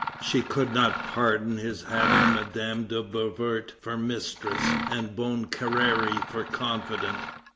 She could not pardon his having Madame de Beauvert for mistress and Bonne Carrère for confidant.